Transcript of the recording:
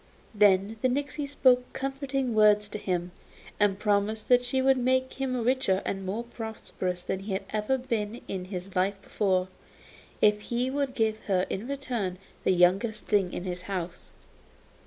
Then the nixy spoke comforting words to him, and promised that she would make him richer and more prosperous than he had ever been in his life before, if he would give her in return the youngest thing in his house.